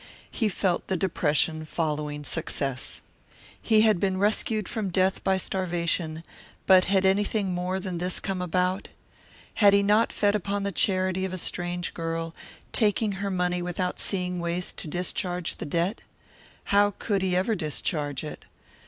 He felt the depression following success. He had been rescued from death by starvation, but had anything more than this come about? Had he not fed upon the charity of a strange girl, taking her money without seeing ways to discharge the debt? How could he ever discharge it?